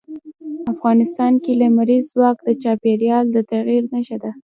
افغانستان کې لمریز ځواک د چاپېریال د تغیر نښه ده.